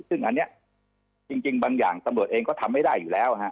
ซึ่งอันนี้จริงบางอย่างตำรวจเองก็ทำไม่ได้อยู่แล้วฮะ